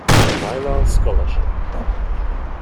Millar Scholarship".